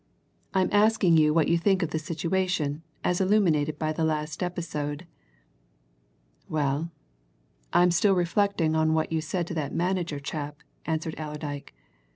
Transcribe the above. "I'm asking you what you think of the situation, as illuminated by this last episode?" "Well, I'm still reflecting on what you said to that manager chap," answered Allerdyke.